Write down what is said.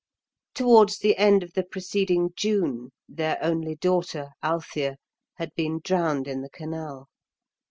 Towards the end of the preceding June their only daughter, Althea, had been drowned in the canal.